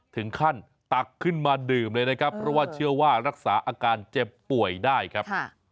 ตักขึ้นมาดื่มเลยนะครับเพราะว่าเชื่อว่ารักษาอาการเจ็บป่วยได้ครับ